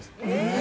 え